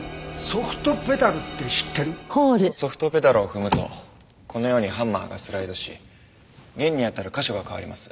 このソフトペダルを踏むとこのようにハンマーがスライドし弦に当たる箇所が変わります。